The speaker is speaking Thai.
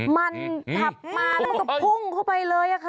มันขับมาแล้วมันก็พุ่งเข้าไปเลยค่ะ